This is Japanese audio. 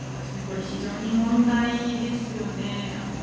非常に問題ですよね。